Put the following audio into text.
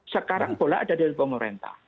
sekarang bola ada dari pemerintah